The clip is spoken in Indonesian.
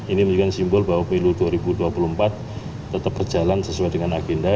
ini menunjukkan simbol bahwa pemilu dua ribu dua puluh empat tetap berjalan sesuai dengan agenda